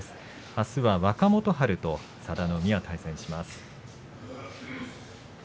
あすは若元春と佐田の海が対戦します。